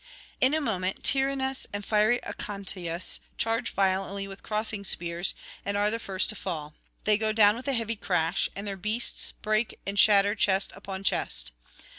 In a moment Tyrrhenus and fiery Aconteus charge violently with crossing spears, and are the first to fall; they go down with a heavy crash, and their beasts break and shatter chest upon chest.